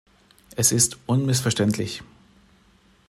Es ist unmissverständlich.